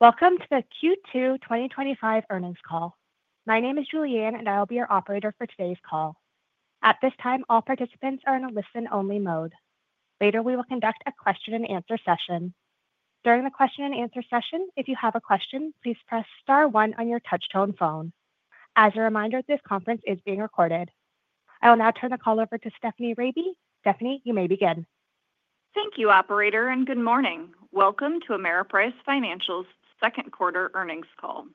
Welcome to the Q2 2025 earnings call. My name is Julianne, and I will be your operator for today's call. At this time, all participants are in a listen-only mode. Later, we will conduct a question-and-answer session. During the question-and-answer session, if you have a question, please press star one on your touch-tone phone. As a reminder, this conference is being recorded. I will now turn the call over to Stephanie Rabe. Stephanie, you may begin. Thank you, operator, and good morning. Welcome to Ameriprise Financial's second-quarter earnings call.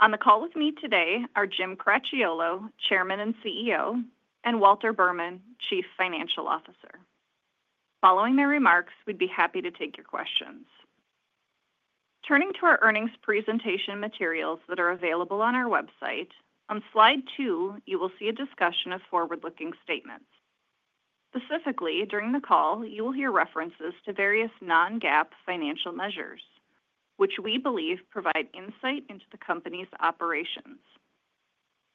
On the call with me today are Jim Cracchiolo, Chairman and CEO, and Walter Berman, Chief Financial Officer. Following their remarks, we'd be happy to take your questions. Turning to our earnings presentation materials that are available on our website, on slide two, you will see a discussion of forward-looking statements. Specifically, during the call, you will hear references to various non-GAAP financial measures, which we believe provide insight into the company's operations.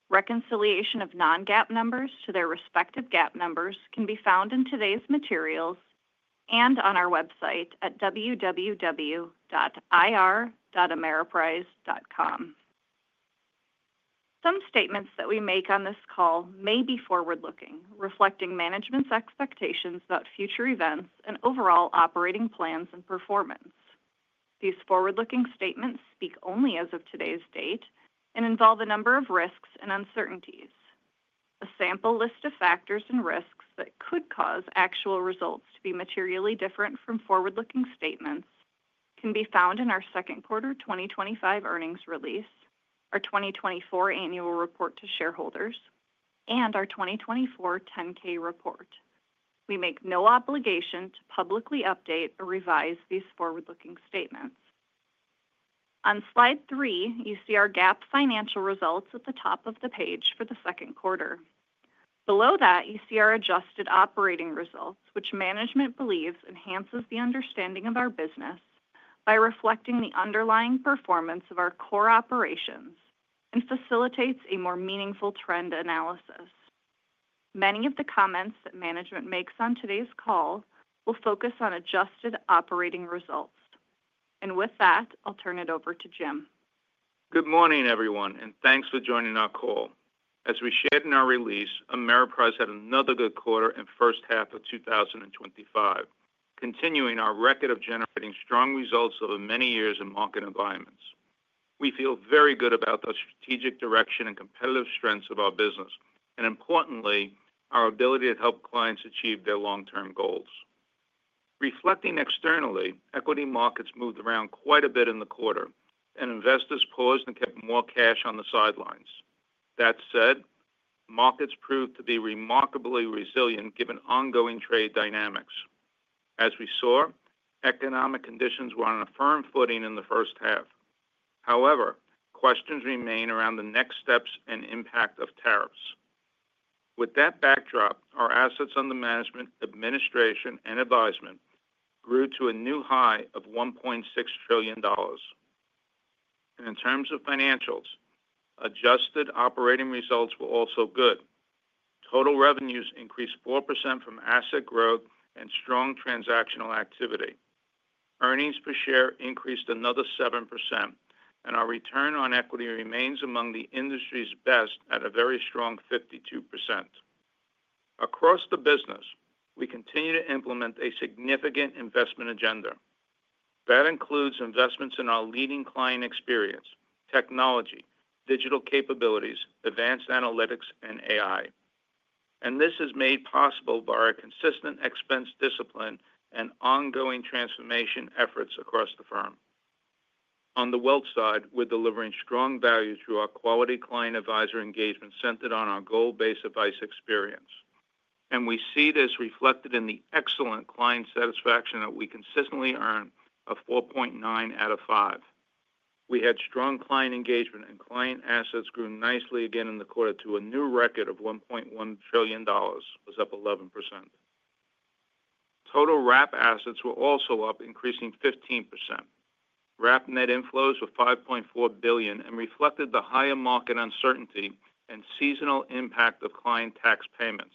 Reconciliation of non-GAAP numbers to their respective GAAP numbers can be found in today's materials and on our website at www.ir.ameriprise.com. Some statements that we make on this call may be forward-looking, reflecting management's expectations about future events and overall operating plans and performance. These forward-looking statements speak only as of today's date and involve a number of risks and uncertainties. A sample list of factors and risks that could cause actual results to be materially different from forward-looking statements can be found in our second quarter 2025 earnings release, our 2024 annual report to shareholders, and our 2024 10-K report. We make no obligation to publicly update or revise these forward-looking statements. On slide three, you see our GAAP financial results at the top of the page for the second quarter. Below that, you see our adjusted operating results, which management believes enhances the understanding of our business by reflecting the underlying performance of our core operations and facilitates a more meaningful trend analysis. Many of the comments that management makes on today's call will focus on adjusted operating results. With that, I'll turn it over to Jim. Good morning, everyone, and thanks for joining our call. As we shared in our release, Ameriprise had another good quarter and first half of 2025, continuing our record of generating strong results over many years in market environments. We feel very good about the strategic direction and competitive strengths of our business, and importantly, our ability to help clients achieve their long-term goals. Reflecting externally, equity markets moved around quite a bit in the quarter, and investors paused and kept more cash on the sidelines. That said, markets proved to be remarkably resilient given ongoing trade dynamics. As we saw, economic conditions were on a firm footing in the first half. However, questions remain around the next steps and impact of tariffs. With that backdrop, our assets under management, administration, and advisement grew to a new high of $1.6 trillion. In terms of financials, adjusted operating results were also good. Total revenues increased 4% from asset growth and strong transactional activity. Earnings per share increased another 7%, and our return on equity remains among the industry's best at a very strong 52%. Across the business, we continue to implement a significant investment agenda. That includes investments in our leading client experience, technology, digital capabilities, advanced analytics, and AI. This is made possible by our consistent expense discipline and ongoing transformation efforts across the firm. On the wealth side, we're delivering strong value through our quality client advisor engagement centered on our goal-based advice experience. We see this reflected in the excellent client satisfaction that we consistently earn of 4.9 out of 5. We had strong client engagement, and client assets grew nicely again in the quarter to a new record of $1.1 trillion, up 11%. Total RAP assets were also up, increasing 15%. RAP net inflows were $5.4 billion and reflected the higher market uncertainty and seasonal impact of client tax payments.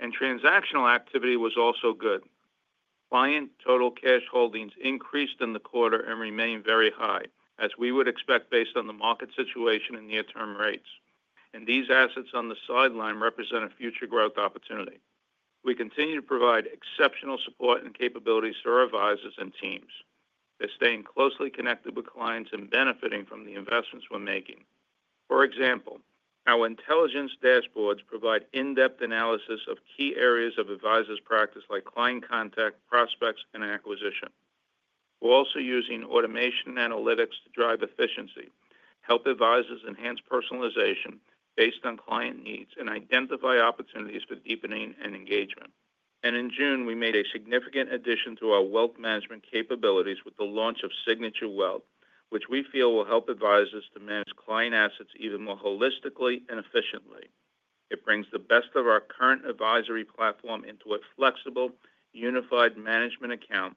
Transactional activity was also good. Client total cash holdings increased in the quarter and remained very high, as we would expect based on the market situation and near-term rates. These assets on the sideline represent a future growth opportunity. We continue to provide exceptional support and capabilities to our advisors and teams. They're staying closely connected with clients and benefiting from the investments we're making. For example, our intelligence dashboards provide in-depth analysis of key areas of advisors' practice like client contact, prospects, and acquisition. We're also using automation and analytics to drive efficiency, help advisors enhance personalization based on client needs, and identify opportunities for deepening and engagement. In June, we made a significant addition to our wealth management capabilities with the launch of Signature Wealth, which we feel will help advisors to manage client assets even more holistically and efficiently. It brings the best of our current advisory platform into a flexible, unified management account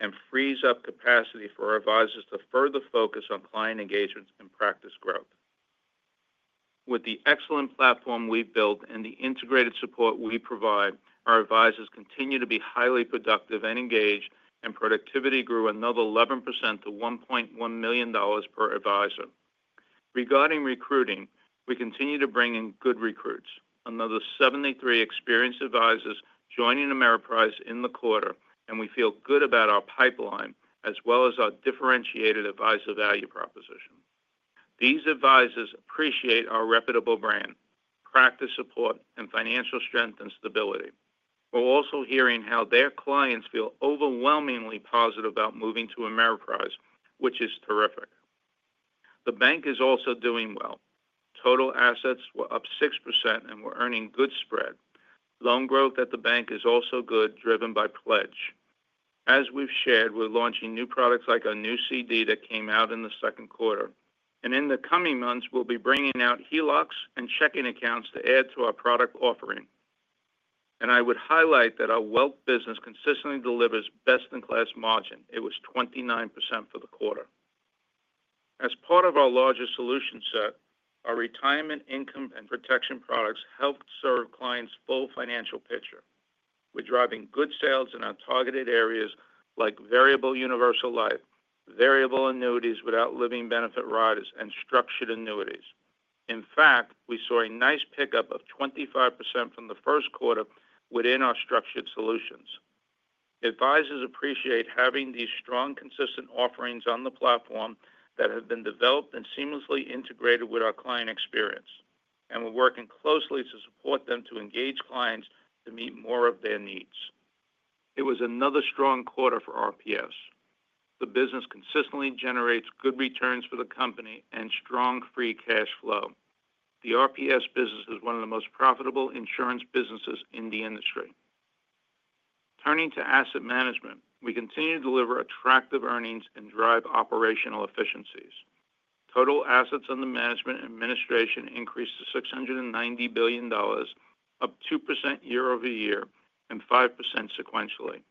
and frees up capacity for our advisors to further focus on client engagements and practice growth. With the excellent platform we've built and the integrated support we provide, our advisors continue to be highly productive and engaged, and productivity grew another 11% to $1.1 million per advisor. Regarding recruiting, we continue to bring in good recruits, another 73 experienced advisors joining Ameriprise in the quarter, and we feel good about our pipeline as well as our differentiated advisor value proposition. These advisors appreciate our reputable brand, practice support, and financial strength and stability. We're also hearing how their clients feel overwhelmingly positive about moving to Ameriprise, which is terrific. The bank is also doing well. Total assets were up 6% and were earning good spread. Loan growth at the bank is also good, driven by pledge. As we've shared, we're launching new products like a new CD that came out in the second quarter. In the coming months, we'll be bringing out HELOCs and checking accounts to add to our product offering. I would highlight that our wealth business consistently delivers best-in-class margin. It was 29% for the quarter. As part of our larger solution set, our retirement income and protection products help serve clients' full financial picture. We're driving good sales in our targeted areas like variable universal life, variable annuities without living benefit riders, and structured annuities. In fact, we saw a nice pickup of 25% from the first quarter within our structured solutions. Advisors appreciate having these strong, consistent offerings on the platform that have been developed and seamlessly integrated with our client experience. We're working closely to support them to engage clients to meet more of their needs. It was another strong quarter for RPS. The business consistently generates good returns for the company and strong free cash flow. The RPS business is one of the most profitable insurance businesses in the industry. Turning to asset management, we continue to deliver attractive earnings and drive operational efficiencies. Total assets under management and administration increased to $690 billion. Up 2% year over year and 5% sequentially.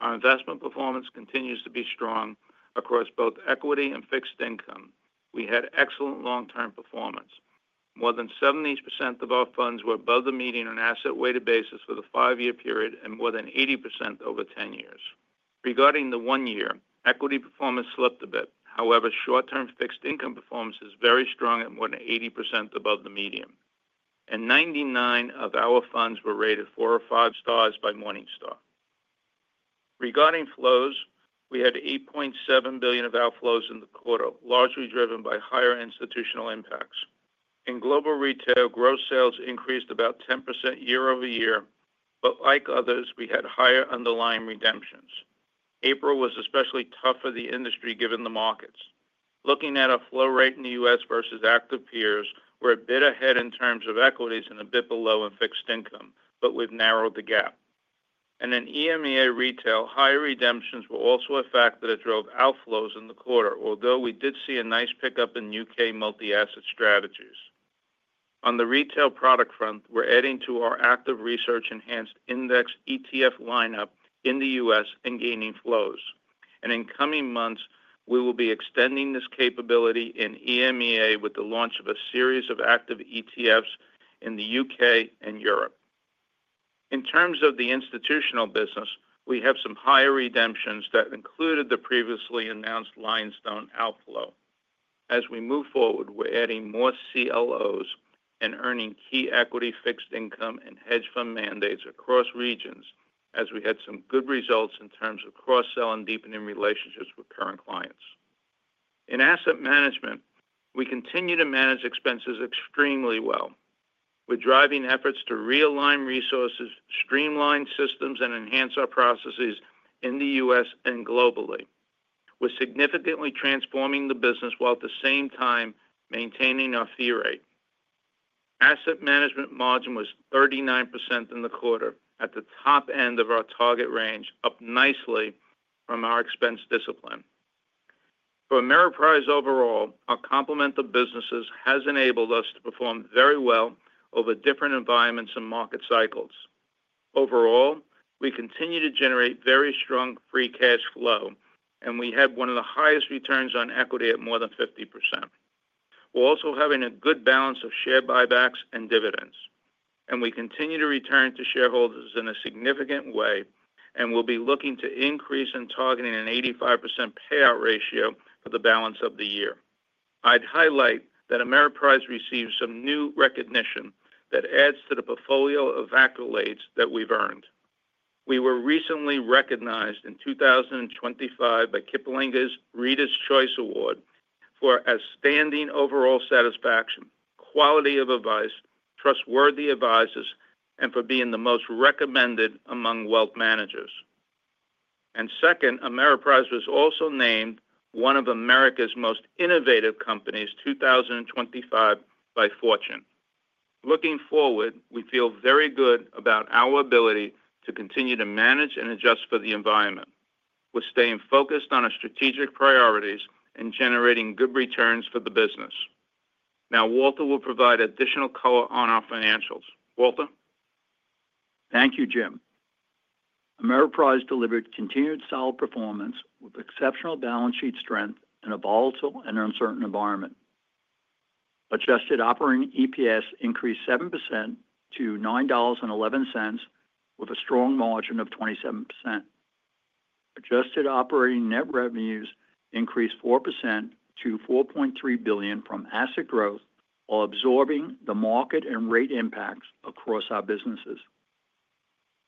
Our investment performance continues to be strong across both equity and fixed income. We had excellent long-term performance. More than 70% of our funds were above the median on an asset-weighted basis for the five-year period and more than 80% over 10 years. Regarding the one-year, equity performance slipped a bit. However, short-term fixed income performance is very strong at more than 80% above the median. Ninety-nine of our funds were rated four or five stars by Morningstar. Regarding flows, we had $8.7 billion of our flows in the quarter, largely driven by higher institutional impacts. In global retail, gross sales increased about 10% year over year, but like others, we had higher underlying redemptions. April was especially tough for the industry given the markets. Looking at our flow rate in the U.S. versus active peers, we're a bit ahead in terms of equities and a bit below in fixed income, but we've narrowed the gap. In EMEA retail, higher redemptions were also a factor that drove our flows in the quarter, although we did see a nice pickup in U.K. multi-asset strategies. On the retail product front, we are adding to our active research-enhanced index ETF lineup in the U.S. and gaining flows. In coming months, we will be extending this capability in EMEA with the launch of a series of active ETFs in the U.K. and Europe. In terms of the institutional business, we have some higher redemptions that included the previously announced Limestone outflow. As we move forward, we are adding more CLOs and earning key equity, fixed income, and hedge fund mandates across regions as we had some good results in terms of cross-sell and deepening relationships with current clients. In asset management, we continue to manage expenses extremely well. We are driving efforts to realign resources, streamline systems, and enhance our processes in the U.S. and globally. We are significantly transforming the business while at the same time maintaining our fee rate. Asset management margin was 39% in the quarter at the top end of our target range, up nicely from our expense discipline. For Ameriprise overall, our complemental businesses have enabled us to perform very well over different environments and market cycles. Overall, we continue to generate very strong free cash flow, and we had one of the highest returns on equity at more than 50%. We are also having a good balance of share buybacks and dividends. We continue to return to shareholders in a significant way, and we will be looking to increase in targeting an 85% payout ratio for the balance of the year. I would highlight that Ameriprise received some new recognition that adds to the portfolio of accolades that we have earned. We were recently recognized in 2025 by Kiplinger’s Reader’s Choice Award for outstanding overall satisfaction, quality of advice, trustworthy advisors, and for being the most recommended among wealth managers. Second, Ameriprise was also named one of America’s most innovative companies 2025 by Fortune. Looking forward, we feel very good about our ability to continue to manage and adjust for the environment. We are staying focused on our strategic priorities and generating good returns for the business. Now, Walter will provide additional color on our financials. Walter? Thank you, Jim. Ameriprise delivered continued solid performance with exceptional balance sheet strength in a volatile and uncertain environment. Adjusted operating EPS increased 7% to $9.11 with a strong margin of 27%. Adjusted operating net revenues increased 4% to $4.3 billion from asset growth while absorbing the market and rate impacts across our businesses.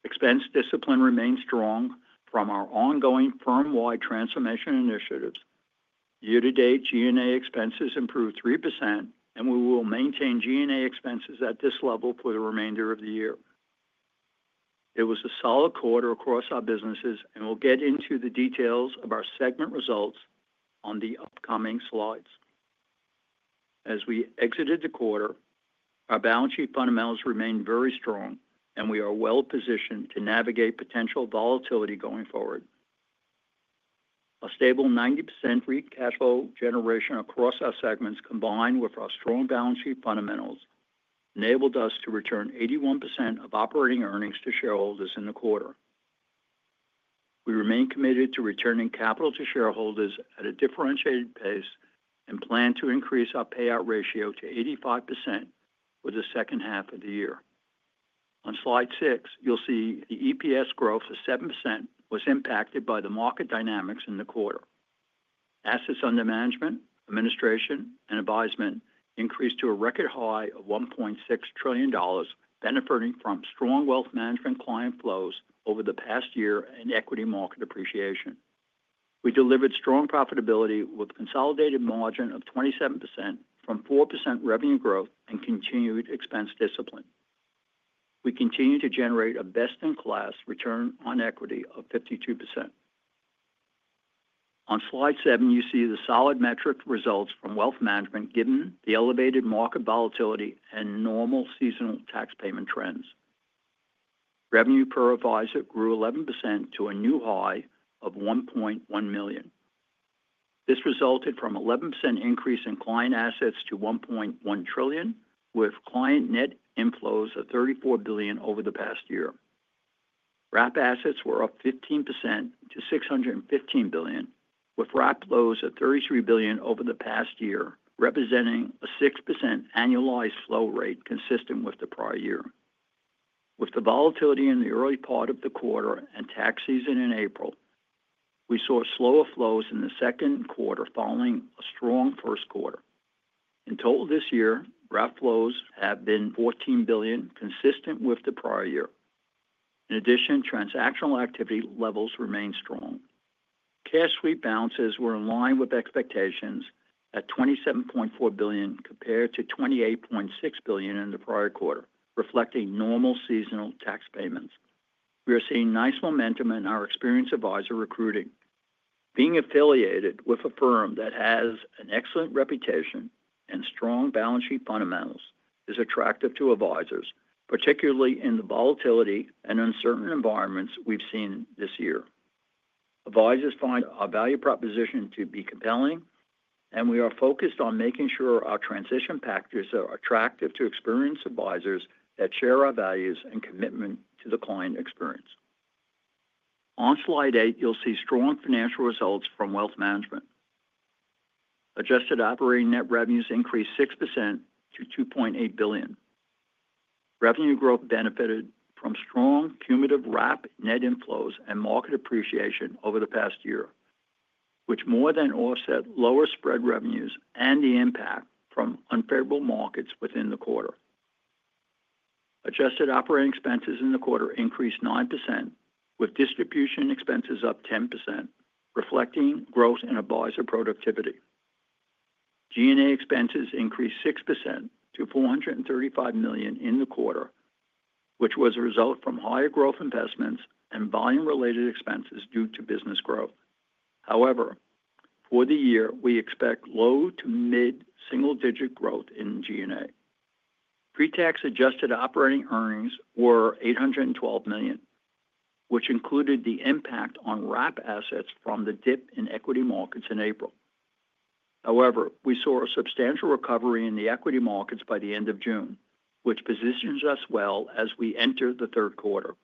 Expense discipline remained strong from our ongoing firm-wide transformation initiatives. Year-to-date G&A expenses improved 3%, and we will maintain G&A expenses at this level for the remainder of the year. It was a solid quarter across our businesses, and we will get into the details of our segment results on the upcoming slides. As we exited the quarter, our balance sheet fundamentals remained very strong, and we are well-positioned to navigate potential volatility going forward. A stable 90% free cash flow generation across our segments, combined with our strong balance sheet fundamentals, enabled us to return 81% of operating earnings to shareholders in the quarter. We remain committed to returning capital to shareholders at a differentiated pace and plan to increase our payout ratio to 85% for the second half of the year. On slide six, you will see the EPS growth of 7% was impacted by the market dynamics in the quarter. Assets under management, administration, and advisement increased to a record high of $1.6 trillion, benefiting from strong wealth management client flows over the past year and equity market appreciation. We delivered strong profitability with a consolidated margin of 27% from 4% revenue growth and continued expense discipline. We continue to generate a best-in-class return on equity of 52%. On slide seven, you see the solid metric results from wealth management given the elevated market volatility and normal seasonal tax payment trends. Revenue per advisor grew 11% to a new high of $1.1 million. This resulted from an 11% increase in client assets to $1.1 trillion, with client net inflows of $34 billion over the past year. RAP assets were up 15% to $615 billion, with RAP flows of $33 billion over the past year, representing a 6% annualized flow rate consistent with the prior year. With the volatility in the early part of the quarter and tax season in April, we saw slower flows in the second quarter following a strong first quarter. In total this year, RAP flows have been $14 billion, consistent with the prior year. In addition, transactional activity levels remained strong. Cash sweep balances were in line with expectations at $27.4 billion compared to $28.6 billion in the prior quarter, reflecting normal seasonal tax payments. We are seeing nice momentum in our experienced advisor recruiting. Being affiliated with a firm that has an excellent reputation and strong balance sheet fundamentals is attractive to advisors, particularly in the volatility and uncertain environments we have seen this year. Advisors find our value proposition to be compelling, and we are focused on making sure our transition packages are attractive to experienced advisors that share our values and commitment to the client experience. On slide eight, you'll see strong financial results from wealth management. Adjusted operating net revenues increased 6% to $2.8 billion. Revenue growth benefited from strong cumulative RAP net inflows and market appreciation over the past year, which more than offset lower spread revenues and the impact from unfavorable markets within the quarter. Adjusted operating expenses in the quarter increased 9%, with distribution expenses up 10%, reflecting growth in advisor productivity. G&A expenses increased 6% to $435 million in the quarter, which was a result from higher growth investments and volume-related expenses due to business growth. However, for the year, we expect low to mid-single-digit growth in G&A. Pre-tax adjusted operating earnings were $812 million, which included the impact on RAP assets from the dip in equity markets in April. However, we saw a substantial recovery in the equity markets by the end of June, which positions us well as we enter the third quarter.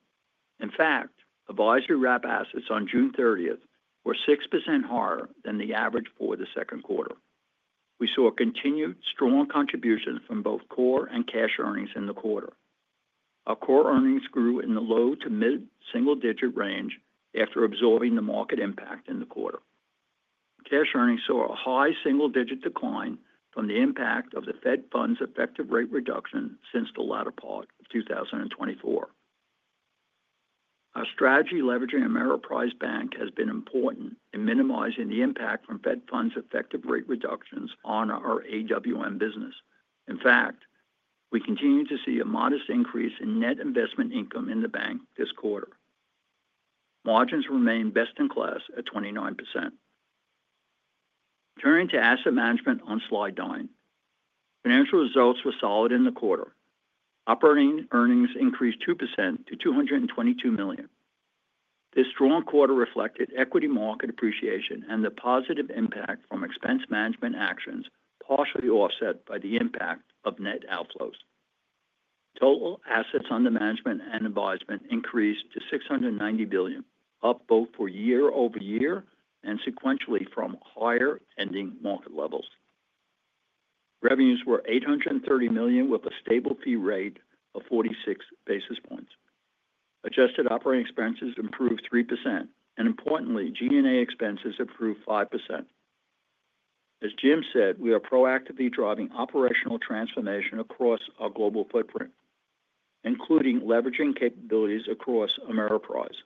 In fact, advisory RAP assets on June 30th were 6% higher than the average for the second quarter. We saw continued strong contributions from both core and cash earnings in the quarter. Our core earnings grew in the low to mid-single-digit range after absorbing the market impact in the quarter. Cash earnings saw a high single-digit decline from the impact of the Fed funds effective rate reduction since the latter part of 2024. Our strategy leveraging Ameriprise Bank has been important in minimizing the impact from Fed funds effective rate reductions on our AWM business. In fact, we continue to see a modest increase in net investment income in the bank this quarter. Margins remain best in class at 29%. Turning to asset management on slide nine, financial results were solid in the quarter. Operating earnings increased 2% to $222 million. This strong quarter reflected equity market appreciation and the positive impact from expense management actions, partially offset by the impact of net outflows. Total assets under management and advisement increased to $690 billion, up both for year over year and sequentially from higher ending market levels. Revenues were $830 million with a stable fee rate of 46 basis points. Adjusted operating expenses improved 3%, and importantly, G&A expenses improved 5%. As Jim said, we are proactively driving operational transformation across our global footprint, including leveraging capabilities across Ameriprise.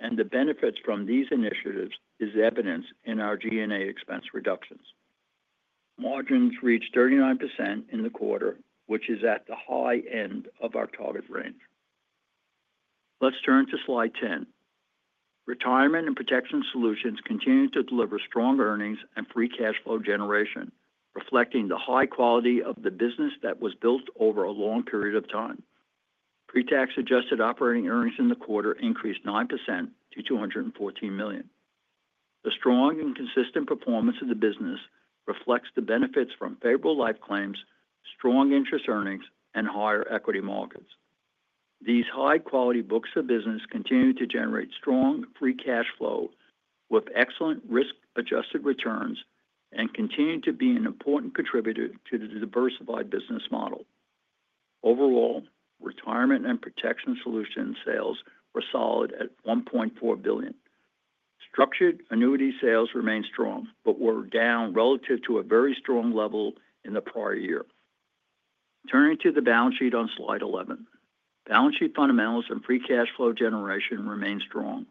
The benefits from these initiatives are evident in our G&A expense reductions. Margins reached 39% in the quarter, which is at the high end of our target range. Let's turn to slide 10. Retirement and protection solutions continue to deliver strong earnings and free cash flow generation, reflecting the high quality of the business that was built over a long period of time. Pre-tax adjusted operating earnings in the quarter increased 9% to $214 million. The strong and consistent performance of the business reflects the benefits from favorable life claims, strong interest earnings, and higher equity markets. These high-quality books of business continue to generate strong free cash flow with excellent risk-adjusted returns and continue to be an important contributor to the diversified business model. Overall, retirement and protection solution sales were solid at $1.4 billion. Structured annuity sales remained strong, but were down relative to a very strong level in the prior year. Turning to the balance sheet on slide 11, balance sheet fundamentals and free cash flow generation remain strong.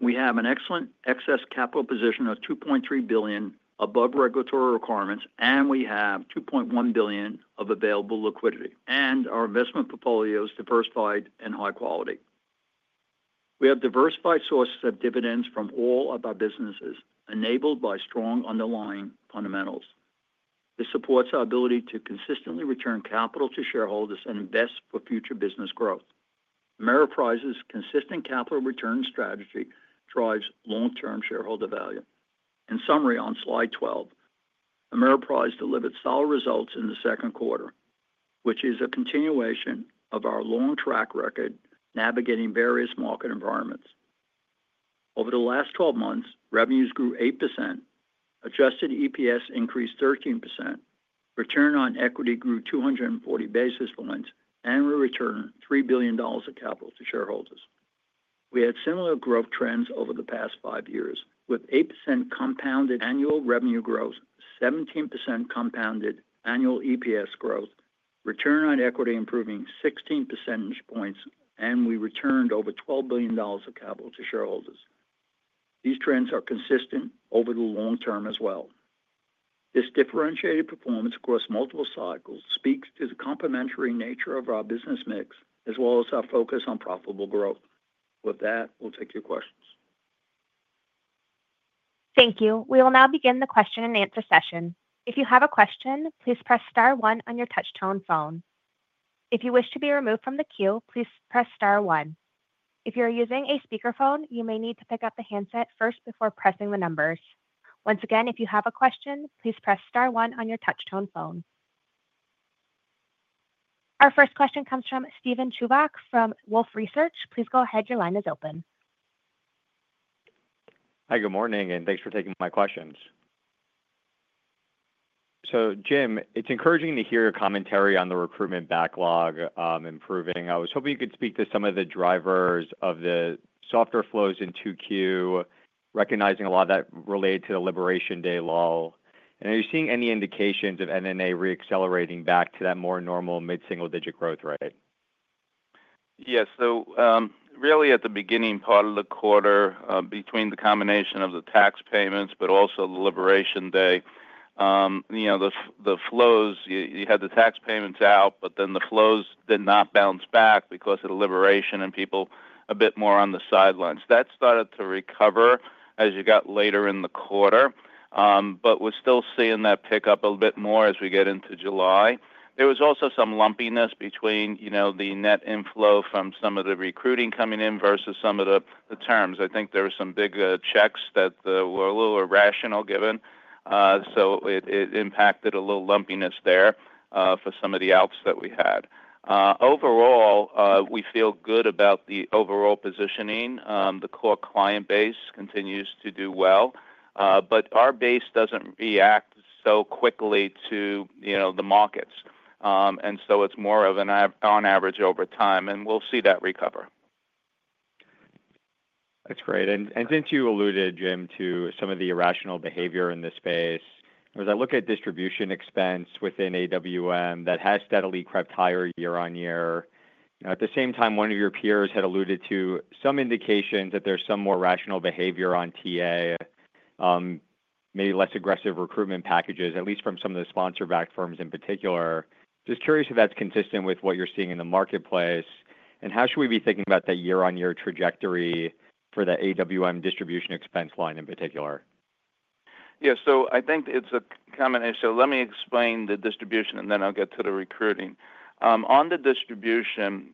We have an excellent excess capital position of $2.3 billion above regulatory requirements, and we have $2.1 billion of available liquidity. Our investment portfolio is diversified and high quality. We have diversified sources of dividends from all of our businesses, enabled by strong underlying fundamentals. This supports our ability to consistently return capital to shareholders and invest for future business growth. Ameriprise's consistent capital return strategy drives long-term shareholder value. In summary, on slide 12. Ameriprise delivered solid results in the second quarter, which is a continuation of our long track record navigating various market environments. Over the last 12 months, revenues grew 8%, adjusted EPS increased 13%, return on equity grew 240 basis points, and we returned $3 billion of capital to shareholders. We had similar growth trends over the past five years, with 8% compounded annual revenue growth, 17% compounded annual EPS growth, return on equity improving 16 percentage points, and we returned over $12 billion of capital to shareholders. These trends are consistent over the long term as well. This differentiated performance across multiple cycles speaks to the complementary nature of our business mix, as well as our focus on profitable growth. With that, we'll take your questions. Thank you. We will now begin the question and answer session. If you have a question, please press star one on your touch-tone phone. If you wish to be removed from the queue, please press star one. If you're using a speakerphone, you may need to pick up the handset first before pressing the numbers. Once again, if you have a question, please press star one on your touch-tone phone. Our first question comes from Steven Chubak from Wolfe Research. Please go ahead. Your line is open. Hi, good morning, and thanks for taking my questions. Jim, it's encouraging to hear your commentary on the recruitment backlog improving. I was hoping you could speak to some of the drivers of the softer flows in 2Q, recognizing a lot of that related to the Liberation Day law. Are you seeing any indications of NNA re-accelerating back to that more normal mid-single-digit growth rate? Yes. So, really, at the beginning part of the quarter, between the combination of the tax payments, but also the Liberation Day. The flows, you had the tax payments out, but then the flows did not bounce back because of the liberation and people a bit more on the sidelines. That started to recover as you got later in the quarter, but we're still seeing that pick up a little bit more as we get into July. There was also some lumpiness between the net inflow from some of the recruiting coming in versus some of the terms. I think there were some big checks that were a little irrational given. So, it impacted a little lumpiness there for some of the outs that we had. Overall, we feel good about the overall positioning. The core client base continues to do well. But our base doesn't react so quickly to the markets. And so, it's more of an on-average over time, and we'll see that recover. That's great. Since you alluded, Jim, to some of the irrational behavior in this space, as I look at distribution expense within AWM, that has steadily crept higher year on year. At the same time, one of your peers had alluded to some indications that there's some more rational behavior on TA. Maybe less aggressive recruitment packages, at least from some of the sponsor-backed firms in particular. Just curious if that's consistent with what you're seeing in the marketplace. How should we be thinking about that Year-on-Year trajectory for the AWM distribution expense line in particular? Yeah. I think it's a combination. Let me explain the distribution, and then I'll get to the recruiting. On the distribution,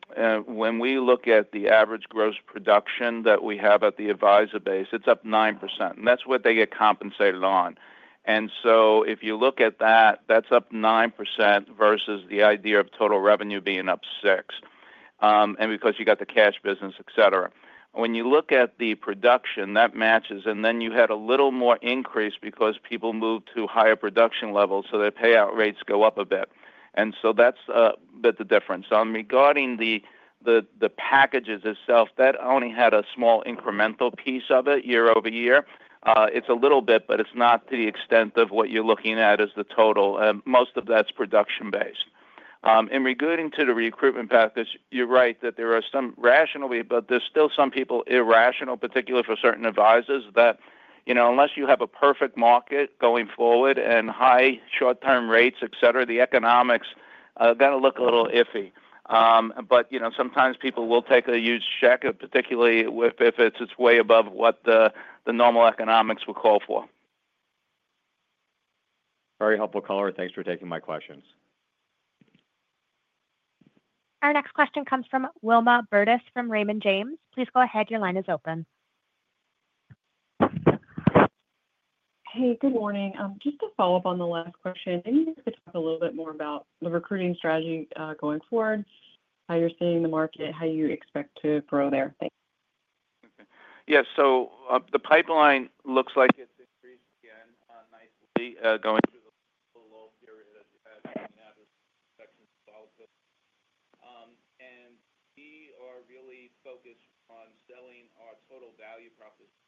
when we look at the average gross production that we have at the advisor base, it's up 9%. That's what they get compensated on. If you look at that, that's up 9% versus the idea of total revenue being up 6%. Because you got the cash business, et cetera. When you look at the production, that matches, and then you had a little more increase because people moved to higher production levels, so their payout rates go up a bit. That's a bit the difference. Regarding the packages itself, that only had a small incremental piece of it year over year. It's a little bit, but it's not to the extent of what you're looking at as the total. Most of that's production-based. In regarding to the recruitment package, you're right that there are some rationally, but there's still some people irrational, particularly for certain advisors, that unless you have a perfect market going forward and high short-term rates, etc, the economics are going to look a little iffy. Sometimes people will take a huge check, particularly if it's way above what the normal economics would call for. Very helpful, Cracchiolo. Thanks for taking my questions. Our next question comes from Wilma Burdis from Raymond James. Please go ahead. Your line is open. Hey, good morning. Just to follow up on the last question, if you could talk a little bit more about the recruiting strategy going forward, how you're seeing the market, how you expect to grow there. Thanks. Yeah, the pipeline looks like it's increased again nicely going through the low period as you had in the average section of solid goods. We are really focused on selling our total value proposition,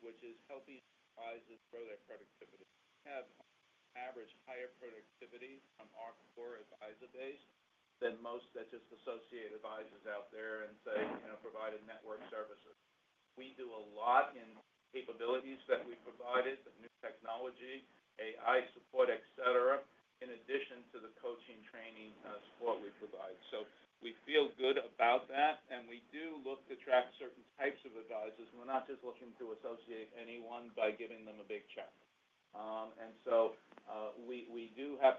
which is helping advisors grow their productivity. We have averaged higher productivity from our core advisor base than most that just associate advisors out there and say, provide a network service. We do a lot in capabilities that we provided, the new technology, AI support, etc, in addition to the coaching training support we provide. We feel good about that. We do look to track certain types of advisors. We're not just looking to associate anyone by giving them a big check. We do have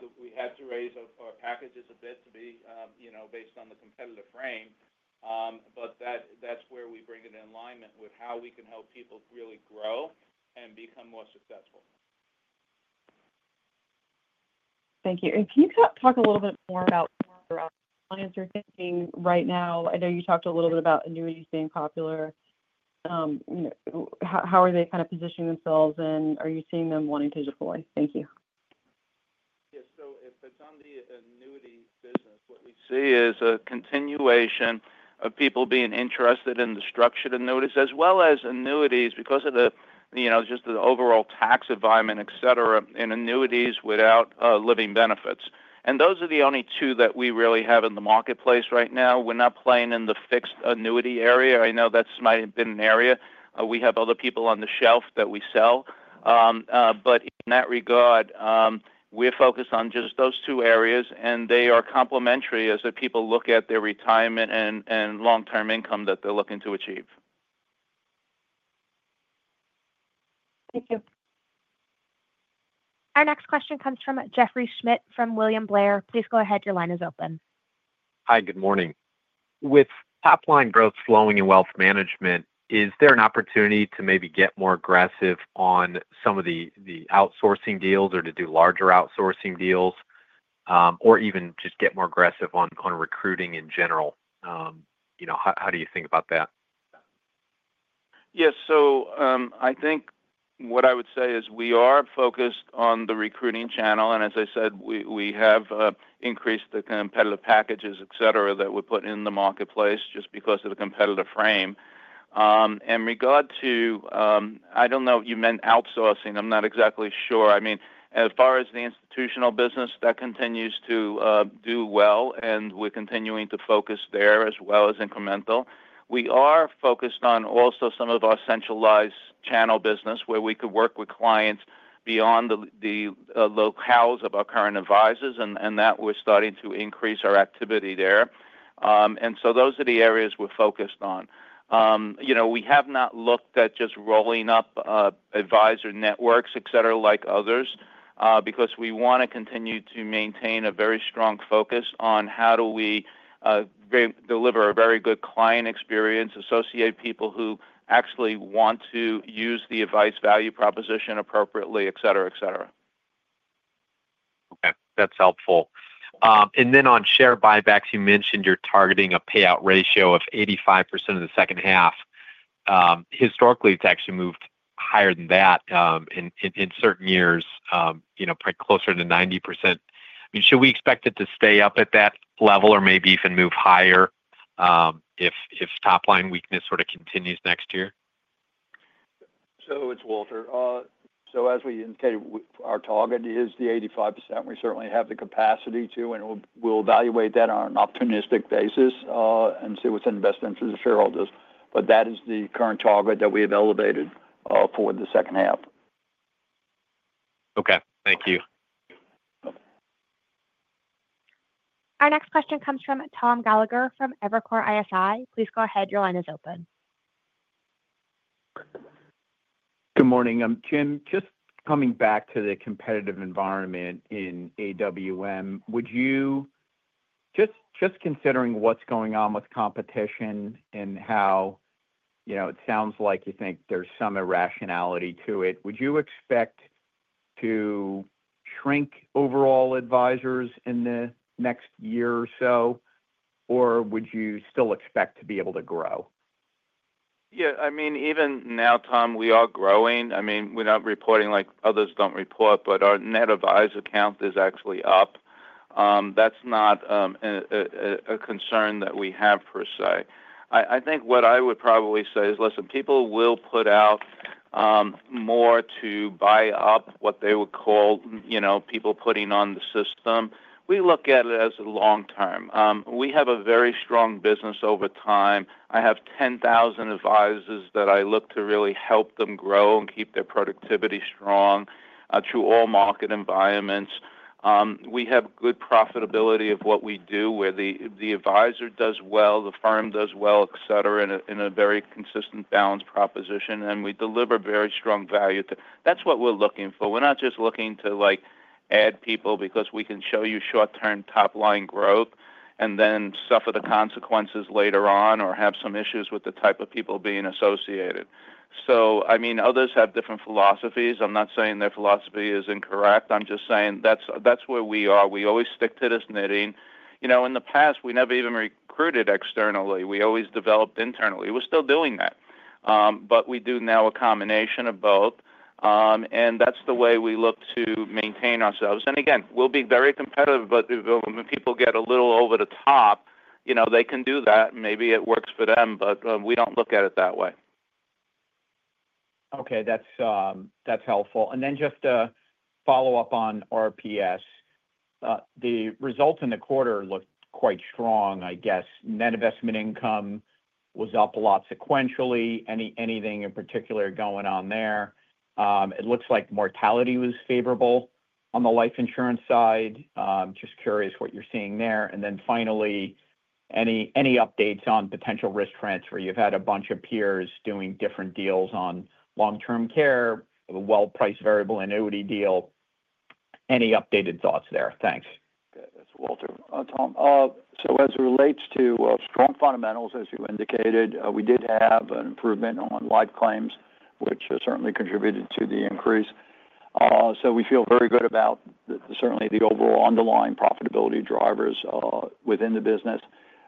to raise our packages a bit to be based on the competitive frame. That's where we bring it in alignment with how we can help people really grow and become more successful. Thank you. Can you talk a little bit more about what your clients are thinking right now? I know you talked a little bit about annuity being popular. How are they kind of positioning themselves, and are you seeing them wanting to deploy? Thank you. Yeah. If it's on the annuity business, what we see is a continuation of people being interested in the structured annuities, as well as annuities because of just the overall tax environment, etc, and annuities without living benefits. Those are the only two that we really have in the marketplace right now. We're not playing in the fixed annuity area. I know that might have been an area. We have other people on the shelf that we sell. In that regard, we're focused on just those two areas, and they are complementary as people look at their retirement and long-term income that they're looking to achieve. Our next question comes from Jeffrey Schmidt from William Blair. Please go ahead. Your line is open. Hi, good morning. With top-line growth flowing in wealth management, is there an opportunity to maybe get more aggressive on some of the outsourcing deals or to do larger outsourcing deals, or even just get more aggressive on recruiting in general? How do you think about that? Yeah. I think what I would say is we are focused on the recruiting channel. As I said, we have increased the competitive packages, etc, that we put in the marketplace just because of the competitive frame. In regard to, I do not know if you meant outsourcing. I am not exactly sure. I mean, as far as the institutional business, that continues to do well, and we are continuing to focus there as well as incremental. We are focused on also some of our centralized channel business where we could work with clients beyond the locales of our current advisors, and we are starting to increase our activity there. Those are the areas we are focused on. You Know, we have not looked at just rolling up advisor networks, etc, like others, because we want to continue to maintain a very strong focus on how do we deliver a very good client experience, associate people who actually want to use the advice value proposition appropriately, etc. Okay. That's helpful. And then on share buybacks, you mentioned you're targeting a payout ratio of 85% of the second half. Historically, it's actually moved higher than that. In certain years, closer to 90%. I mean, should we expect it to stay up at that level or maybe even move higher if top-line weakness sort of continues next year? It's Walter. As we indicated, our target is the 85%. We certainly have the capacity to, and we'll evaluate that on an optimistic basis and see what's in the best interest of shareholders. That is the current target that we have elevated for the second half. Okay. Thank you. Our next question comes from Tom Gallagher from Evercore ISI. Please go ahead. Your line is open. Good morning. Jim, just coming back to the competitive environment in AWM, would you, just considering what's going on with competition and how, it sounds like you think there's some irrationality to it, would you expect to shrink overall advisors in the next year or so, or would you still expect to be able to grow? Yeah. I mean, even now, Tom, we are growing. I mean, we're not reporting like others do not report, but our net advisor count is actually up. That's not a concern that we have per se. I think what I would probably say is, listen, people will put out more to buy up what they would call people putting on the system. We look at it as a long term. We have a very strong business over time. I have 10,000 advisors that I look to really help them grow and keep their productivity strong through all market environments. We have good profitability of what we do where the advisor does well, the firm does well, et cetera, in a very consistent balance proposition, and we deliver very strong value. That's what we're looking for. We're not just looking to add people because we can show you short-term top-line growth and then suffer the consequences later on or have some issues with the type of people being associated. I mean, others have different philosophies. I'm not saying their philosophy is incorrect. I'm just saying that's where we are. We always stick to this knitting. In the past, we never even recruited externally. We always developed internally. We're still doing that. We do now a combination of both. That's the way we look to maintain ourselves. Again, we'll be very competitive, but when people get a little over the top, they can do that. Maybe it works for them, but we do not look at it that way. Okay. That's helpful. Just to follow up on RPS. The results in the quarter looked quite strong, I guess. Net investment income was up a lot sequentially. Anything in particular going on there? It looks like mortality was favorable on the life insurance side. Just curious what you're seeing there. Finally, any updates on potential risk transfer? You've had a bunch of peers doing different deals on long-term care, the well-priced variable annuity deal. Any updated thoughts there? Thanks. That's Walter. Tom, as it relates to strong fundamentals, as you indicated, we did have an improvement on life claims, which certainly contributed to the increase. We feel very good about certainly the overall underlying profitability drivers within the business.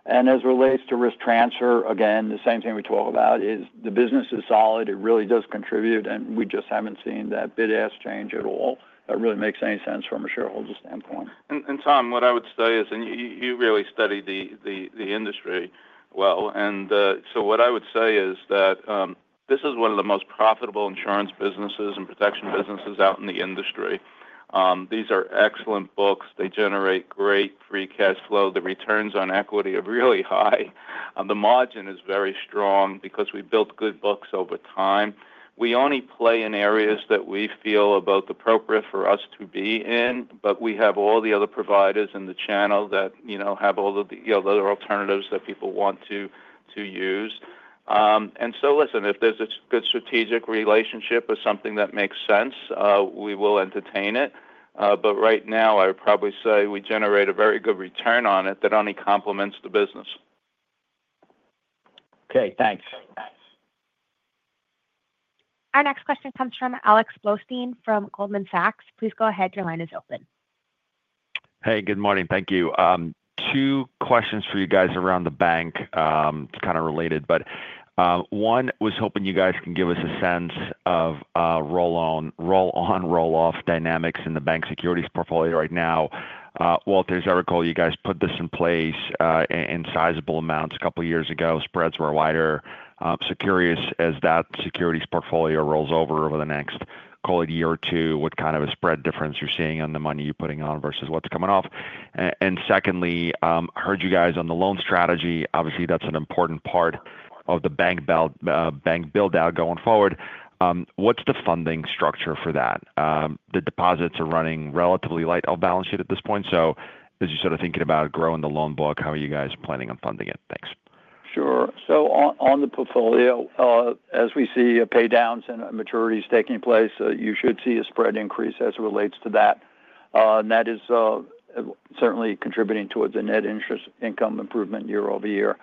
As it relates to risk transfer, again, the same thing we talk about is the business is solid. It really does contribute, and we just haven't seen that bid-ask change at all. That really makes any sense from a shareholder standpoint. Tom, what I would say is, and you really study the industry well, and so what I would say is that this is one of the most profitable insurance businesses and protection businesses out in the industry. These are excellent books. They generate great free cash flow. The returns on equity are really high and the margin is very strong because we built good books over time. We only play in areas that we feel are both appropriate for us to be in, but we have all the other providers in the channel that have all the other alternatives that people want to use. Listen, if there's a good strategic relationship or something that makes sense, we will entertain it. Right now, I would probably say we generate a very good return on it that only complements the business. Okay. Thanks. Our next question comes from Alex Blostein from Goldman Sachs. Please go ahead. Your line is open. Hey, good morning. Thank you. Two questions for you guys around the bank. It's kind of related, but. One was hoping you guys can give us a sense of roll-on, roll-off dynamics in the bank securities portfolio right now. Walter, as I recall, you guys put this in place. In sizeable amounts a couple of years ago. Spreads were wider. So, curious as that securities portfolio rolls over over the next, call it, year or two, what kind of a spread difference you're seeing on the money you're putting on versus what's coming off. And secondly, I heard you guys on the loan strategy. Obviously, that's an important part of the bank. Build-out going forward. What's the funding structure for that? The deposits are running relatively light on balance sheet at this point. So, as you're sort of thinking about growing the loan book, how are you guys planning on funding it? Thanks. Sure. On the portfolio, as we see paydowns and maturities taking place, you should see a spread increase as it relates to that. That is certainly contributing towards the net interest income improvement year over year.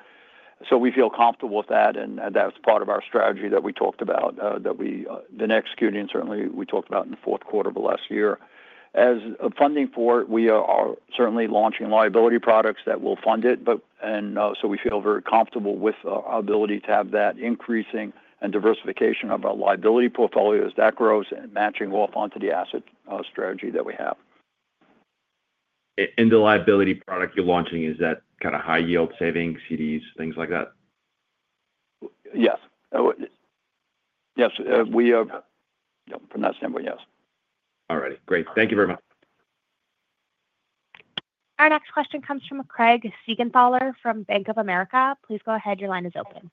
We feel comfortable with that, and that's part of our strategy that we talked about, that we've been executing, certainly, we talked about in the fourth quarter of last year. As funding for it, we are certainly launching liability products that will fund it. We feel very comfortable with our ability to have that increasing and diversification of our liability portfolio as that grows and matching off onto the asset strategy that we have. The liability product you're launching, is that kind of high-yield savings, CDs, things like that? Yes. Yes. We are. Yeah. From that standpoint, yes. All righty. Great. Thank you very much. Our next question comes from Craig Siegenthaler from Bank of America. Please go ahead. Your line is open.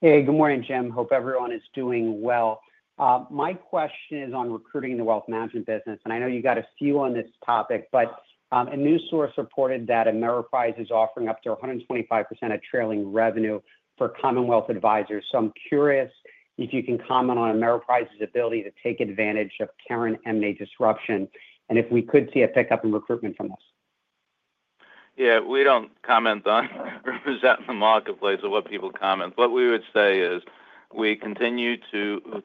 Hey, good morning, Jim. Hope everyone is doing well. My question is on recruiting in the wealth management business. I know you got a few on this topic, but a news source reported that Ameriprise is offering up to 125% of trailing revenue for Commonwealth advisors. I'm curious if you can comment on Ameriprise's ability to take advantage of current M&A disruption and if we could see a pickup in recruitment from this. Yeah. We do not comment on representing the marketplace or what people comment. What we would say is we continue to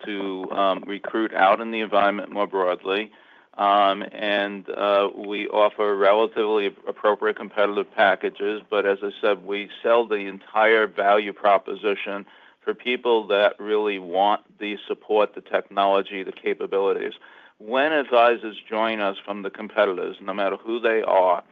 recruit out in the environment more broadly. We offer relatively appropriate competitive packages. As I said, we sell the entire value proposition for people that really want the support, the technology, the capabilities. When advisors join us from the competitors, no matter who they are,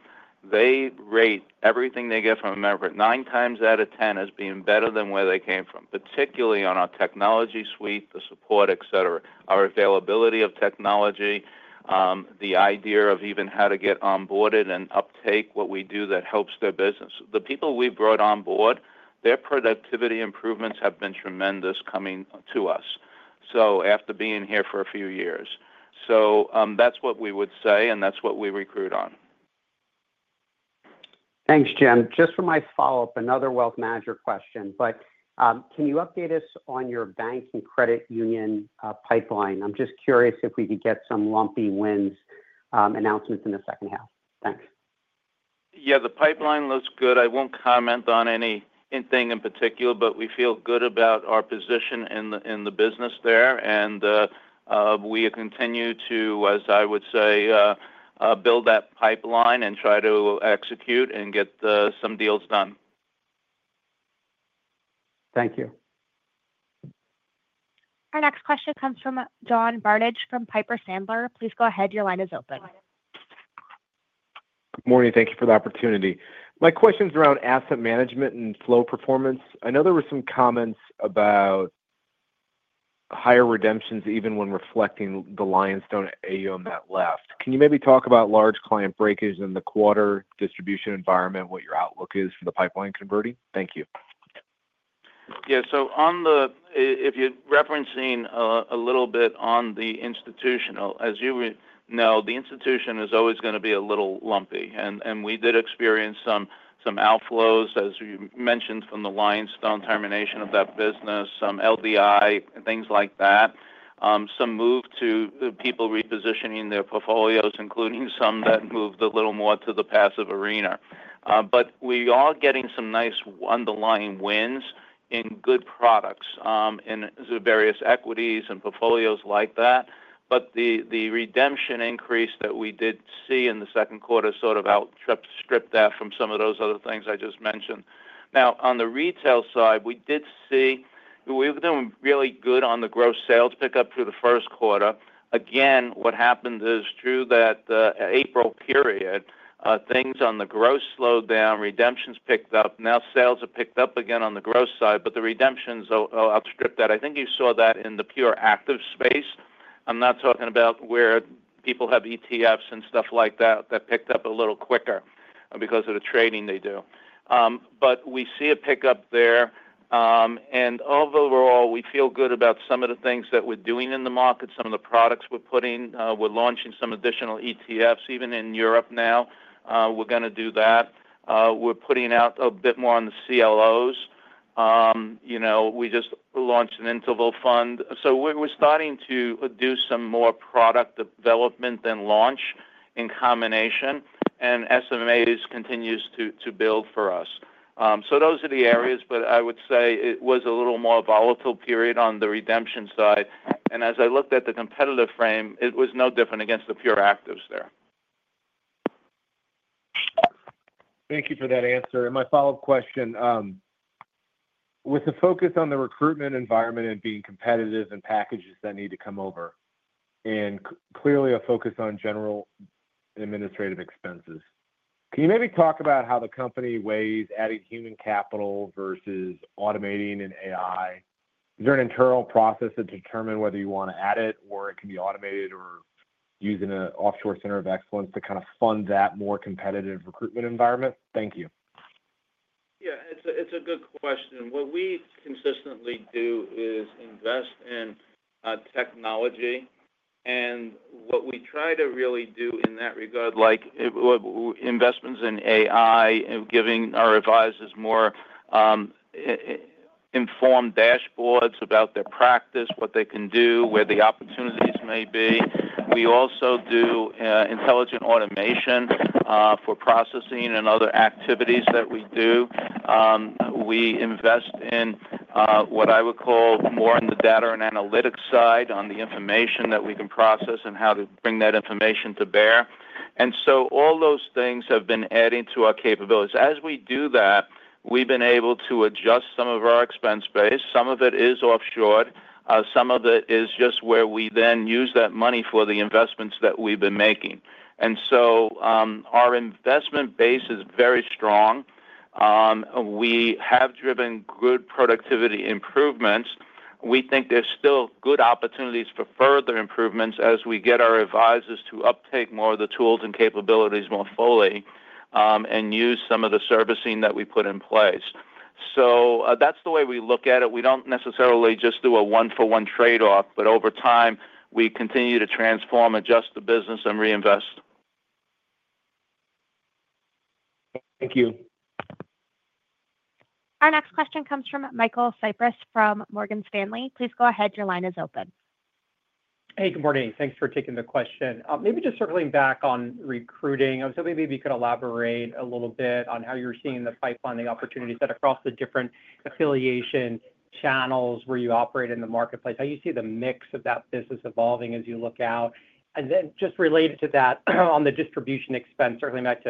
they rate everything they get from Ameriprise 9 times out of 10 as being better than where they came from, particularly on our technology suite, the support, et cetera, our availability of technology, the idea of even how to get onboarded and uptake what we do that helps their business. The people we brought on board, their productivity improvements have been tremendous coming to us after being here for a few years. That is what we would say, and that is what we recruit on. Thanks, Jim. Just for my follow-up, another wealth manager question. Can you update us on your bank and credit union pipeline? I'm just curious if we could get some lumpy wins announcements in the second half. Thanks. Yeah. The pipeline looks good. I will not comment on anything in particular, but we feel good about our position in the business there. We continue to, as I would say, build that pipeline and try to execute and get some deals done. Thank you. Our next question comes from John Barnidge from Piper Sandler. Please go ahead. Your line is open. Morning. Thank you for the opportunity. My question's around asset management and flow performance. I know there were some comments about higher redemptions even when reflecting the lion's den at that left. Can you maybe talk about large client breakage in the quarter, distribution environment, what your outlook is for the pipeline converting? Thank you. Yeah. So. If you're referencing a little bit on the institutional, as you know, the institution is always going to be a little lumpy. And we did experience some outflows, as you mentioned, from the lion's den termination of that business, some LDI, things like that. Some move to people repositioning their portfolios, including some that moved a little more to the passive arena. But we are getting some nice underlying wins in good products and various equities and portfolios like that. The redemption increase that we did see in the second quarter sort of outstripped that from some of those other things I just mentioned. Now, on the retail side, we did see. We were doing really good on the gross sales pickup through the first quarter. Again, what happened is through that April period. Things on the gross slowed down, redemptions picked up. Now, sales have picked up again on the gross side, but the redemptions outstripped that. I think you saw that in the pure active space. I'm not talking about where people have ETFs and stuff like that that picked up a little quicker because of the trading they do. But we see a pickup there and overall, we feel good about some of the things that we're doing in the market, some of the products we're putting. We're launching some additional ETFs even in Europe now. We're going to do that. We're putting out a bit more on the CLOs. We just launched an interval fund. We're starting to do some more product development than launch in combination. And SMAs continues to build for us. Those are the areas, but I would say it was a little more volatile period on the redemption side. As I looked at the competitive frame, it was no different against the pure actives there. Thank you for that answer. My follow-up question. With the focus on the recruitment environment and being competitive and packages that need to come over. Clearly a focus on general administrative expenses. Can you maybe talk about how the company weighs adding human capital versus automating and AI? Is there an internal process to determine whether you want to add it or it can be automated or using an offshore center of excellence to kind of fund that more competitive recruitment environment? Thank you. Yeah. It's a good question. What we consistently do is invest in technology. And what we try to really do in that regard, like investments in AI, giving our advisors more informed dashboards about their practice, what they can do, where the opportunities may be. We also do intelligent automation for processing and other activities that we do. We invest in what I would call more on the data and analytics side, on the information that we can process and how to bring that information to bear. And so, all those things have been adding to our capabilities. As we do that, we've been able to adjust some of our expense base. Some of it is offshored. Some of it is just where we then use that money for the investments that we've been making. And so, our investment base is very strong. We have driven good productivity improvements. We think there's still good opportunities for further improvements as we get our advisors to uptake more of the tools and capabilities more fully and use some of the servicing that we put in place. That's the way we look at it. We don't necessarily just do a one-for-one trade-off, but over time, we continue to transform, adjust the business, and reinvest. Thank you. Our next question comes from Michael Cyprys from Morgan Stanley. Please go ahead. Your line is open. Hey, good morning. Thanks for taking the question. Maybe just circling back on recruiting, I was hoping maybe you could elaborate a little bit on how you're seeing the pipeline, the opportunities that across the different affiliation channels where you operate in the marketplace, how you see the mix of that business evolving as you look out. Then just related to that on the distribution expense, certainly back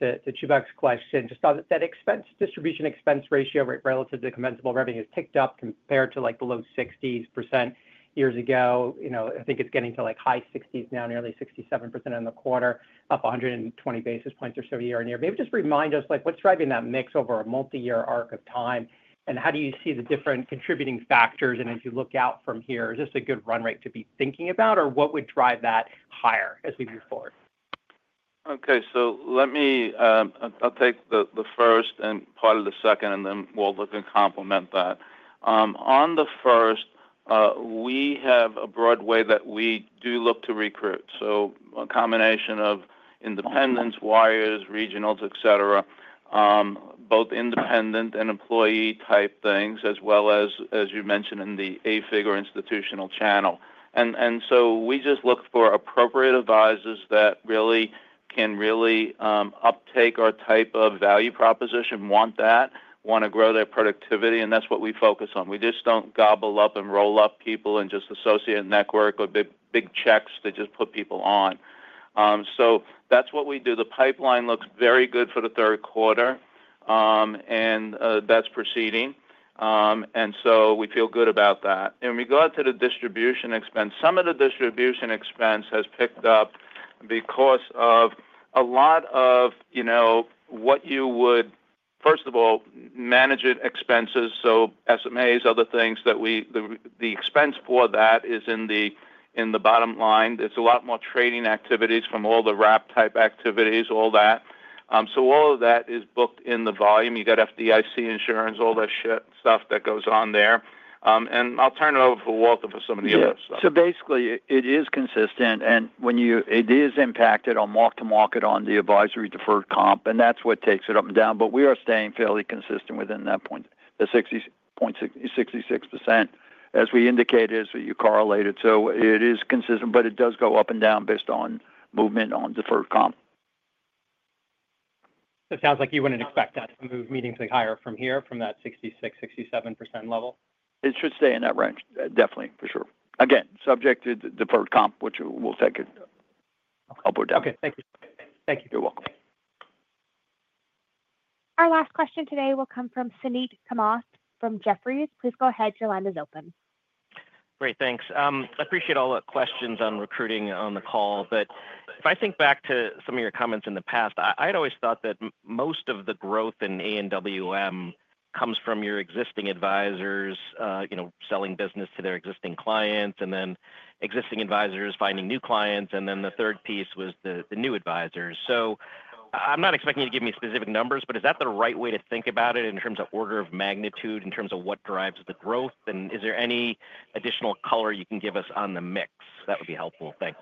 to Chubak's question, just that expense distribution expense ratio relative to the commensurable revenue has picked up compared to below 60% years ago. I think it's getting to high 60s now, nearly 67% in the quarter, up 120 basis points or so year on year. Maybe just remind us what's driving that mix over a multi-year arc of time, and how do you see the different contributing factors? As you look out from here, is this a good run rate to be thinking about, or what would drive that higher as we move forward? Okay. I'll take the first and part of the second, and then we'll look and complement that. On the first, we have a broad way that we do look to recruit, so a combination of independents, wires, regionals, etc. Both independent and employee-type things, as well as, as you mentioned, in the A figure institutional channel. We just look for appropriate advisors that really can really uptake our type of value proposition, want that, want to grow their productivity. That's what we focus on. We just do not gobble up and roll up people and just associate a network or big checks to just put people on. That's what we do. The pipeline looks very good for the third quarter. That's proceeding and so, we feel good about that. In regard to the distribution expense, some of the distribution expense has picked up because of a lot of, what you would, first of all, management expenses. So, SMAs, other things that we, the expense for that is in the bottom line. There's a lot more trading activities from all the wrap-type activities, all that. All of that is booked in the volume. You got FDIC insurance, all that stuff that goes on there. I'll turn it over for Walter for some of the other stuff. Basically, it is consistent. It is impacted on walk-to-market on the advisory deferred comp, and that is what takes it up and down. We are staying fairly consistent within that point, the 66%, as we indicated, as you correlated. It is consistent, but it does go up and down based on movement on deferred comp. It sounds like you wouldn't expect that to move meetings higher from here, from that 66-67% level. It should stay in that range, definitely, for sure. Again, subject to deferred comp, which we'll take it up or down. Okay. Thank you. You're welcome. Our last question today will come from Suneet Kamath from Jefferies. Please go ahead. Your line is open. Great. Thanks. I appreciate all the questions on recruiting on the call. If I think back to some of your comments in the past, I'd always thought that most of the growth in A&WM comes from your existing advisors, selling business to their existing clients, and then existing advisors finding new clients. The third piece was the new advisors. I'm not expecting you to give me specific numbers, but is that the right way to think about it in terms of order of magnitude, in terms of what drives the growth? Is there any additional color you can give us on the mix? That would be helpful. Thanks.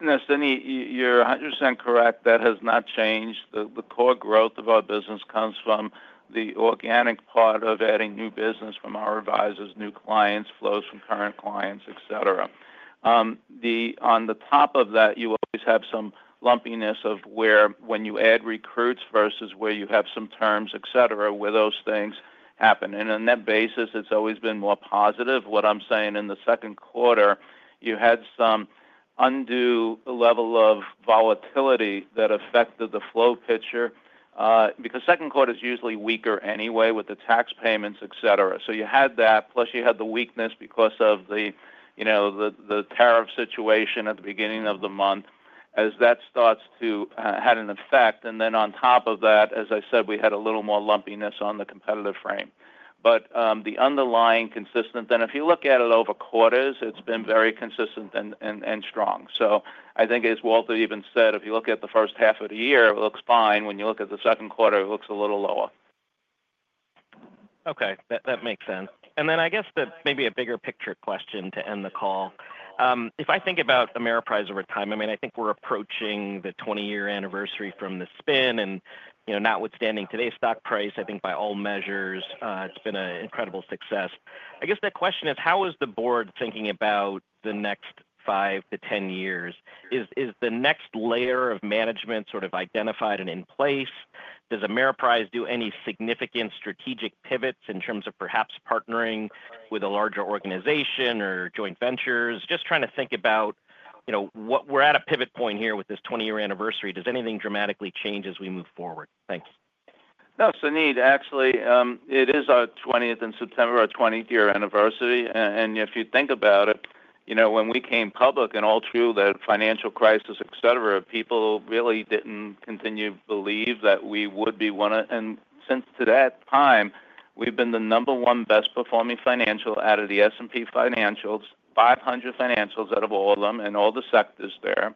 No, Suneet, you're 100% correct. That has not changed. The core growth of our business comes from the organic part of adding new business from our advisors, new clients, flows from current clients, et cetera. On top of that, you always have some lumpiness of where when you add recruits versus where you have some terms, et cetera, where those things happen. On that basis, it's always been more positive. What I'm saying in the second quarter, you had some undue level of volatility that affected the flow picture. The second quarter is usually weaker anyway with the tax payments, et cetera. You had that, plus you had the weakness because of the tariff situation at the beginning of the month, as that starts to have an effect. On top of that, as I said, we had a little more lumpiness on the competitive frame. The underlying consistent, then if you look at it over quarters, it's been very consistent and strong. I think as Walter even said, if you look at the first half of the year, it looks fine. When you look at the second quarter, it looks a little lower. Okay. That makes sense. I guess that maybe a bigger picture question to end the call. If I think about Ameriprise over time, I mean, I think we're approaching the 20-year anniversary from the spin. Notwithstanding today's stock price, I think by all measures, it's been an incredible success. I guess the question is, how is the board thinking about the next 5 to 10 years? Is the next layer of management sort of identified and in place? Does Ameriprise do any significant strategic pivots in terms of perhaps partnering with a larger organization or joint ventures? Just trying to think about, we're at a pivot point here with this 20-year anniversary. Does anything dramatically change as we move forward? Thanks. No, Sunita, actually, it is our 20th in September, our 20-year anniversary. If you think about it, when we came public and all through the financial crisis, et cetera, people really did not continue to believe that we would be one of. Since that time, we have been the number one best-performing financial out of the S&P 500 financials, out of all of them, and all the sectors there.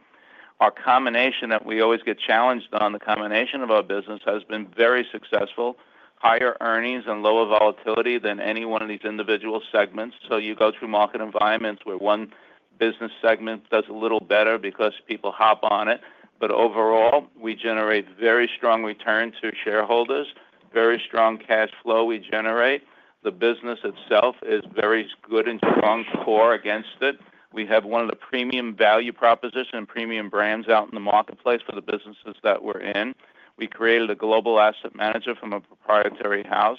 Our combination that we always get challenged on, the combination of our business has been very successful, higher earnings and lower volatility than any one of these individual segments. You go through market environments where one business segment does a little better because people hop on it. Overall, we generate very strong returns to shareholders, very strong cash flow we generate. The business itself is very good and strong core against it. We have one of the premium value propositions and premium brands out in the marketplace for the businesses that we are in. We created a global asset manager from a proprietary house.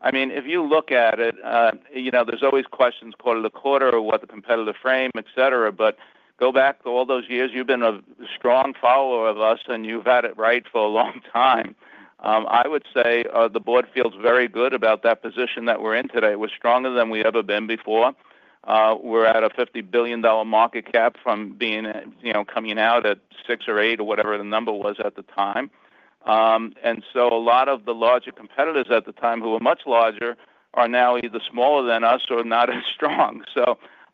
I mean, if you look at it. There are always questions quarter to quarter or what the competitive frame, et cetera. Go back to all those years, you have been a strong follower of us, and you have had it right for a long time. I would say the board feels very good about that position that we are in today. We are stronger than we ever have been before. We are at a $50 billion market cap from coming out at six or eight or whatever the number was at the time. A lot of the larger competitors at the time who were much larger are now either smaller than us or not as strong.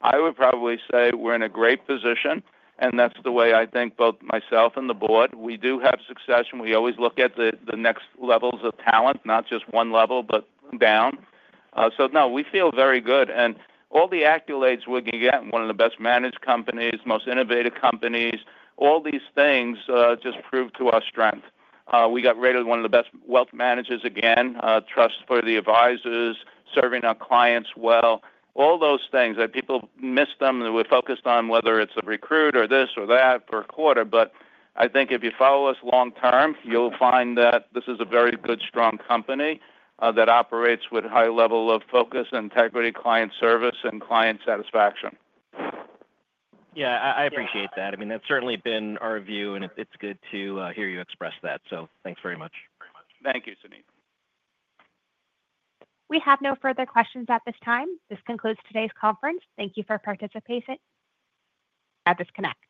I would probably say we are in a great position. That is the way I think both myself and the board. We do have success, and we always look at the next levels of talent, not just one level, but down. No, we feel very good. All the accolades we can get, one of the best managed companies, most innovative companies, all these things just prove our strength. We got rated one of the best wealth managers again, trust for the advisors, serving our clients well. All those things, people miss them, and we are focused on whether it is a recruit or this or that per quarter. I think if you follow us long-term, you will find that this is a very good, strong company that operates with a high level of focus, integrity, client service, and client satisfaction. Yeah. I appreciate that. I mean, that's certainly been our view, and it's good to hear you express that. Thanks very much. Thank you, Suneet. We have no further questions at this time. This concludes today's conference. Thank you for participating. I disconnect.